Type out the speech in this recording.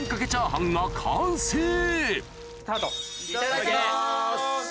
・いただきます。